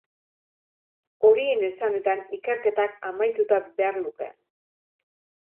Horien esanetan, ikerketak amaituta behar luke.